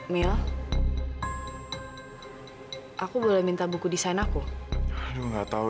benar orang tersebut memang berah dan desain yang paling luar biasa